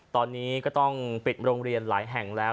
ตอนนี้ก็ต้องปิดโรงเรียนหลายแห่งแล้ว